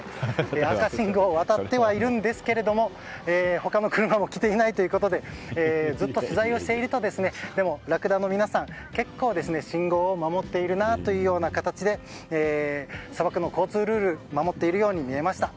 赤信号を渡ってはいるんですが他の車も来ていないということでずっと取材をしているとラクダの皆さん結構、信号を守っているなという形で砂漠の交通ルールを守っているように見えました。